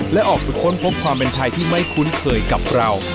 และออกไปค้นพบความเป็นไทยที่ไม่คุ้นเคยกับเรา